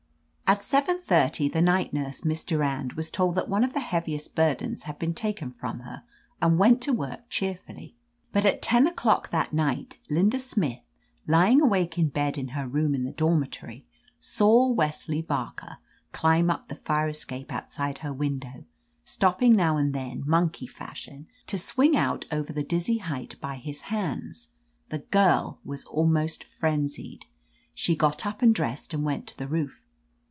"At seventy thirty the night nurse. Miss Durand, was told that one of the heaviest burdens had been taken from her, and went to work cheerfully. But at. ten o'clock that 197 THE AMAZING ADVENTURES night Linda Smith* l)ring awake in bed in her room in the domfitory, saw Wesley Barker • climb up the fire escape outside her window, stopping now and then, monkey fashion, to swing out over the dizzy height by his hands. "The girl was almost frenzied. She got up and dressed and wefat to the roof.